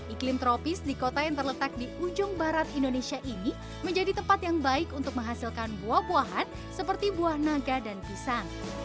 iklim tropis di kota yang terletak di ujung barat indonesia ini menjadi tempat yang baik untuk menghasilkan buah buahan seperti buah naga dan pisang